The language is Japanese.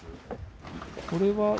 これは？